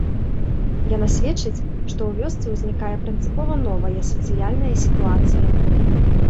Яна сведчыць, што ў вёсцы ўзнікае прынцыпова новая сацыяльная сітуацыя.